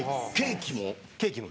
ケーキも？